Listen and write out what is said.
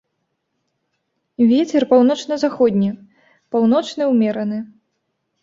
Вецер паўночна-заходні, паўночны ўмераны.